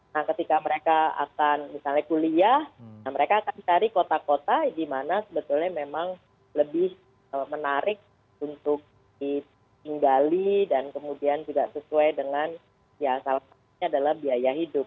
nah ketika mereka akan misalnya kuliah mereka akan cari kota kota di mana sebetulnya memang lebih menarik untuk ditinggali dan kemudian juga sesuai dengan ya salah satunya adalah biaya hidup